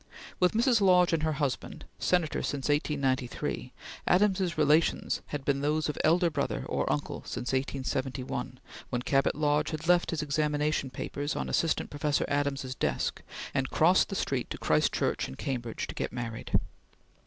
With Mrs. Lodge and her husband, Senator since 1893, Adams's relations had been those of elder brother or uncle since 1871 when Cabot Lodge had left his examination papers on Assistant Professor Adams's desk, and crossed the street to Christ Church in Cambridge to get married.